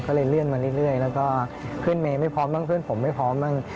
ก็เลยเลื่อนมาเรื่อยแล้วก็ขึ้นเมย์ไม่พร้อมบ้างเพื่อนผมไม่พร้อมบ้าง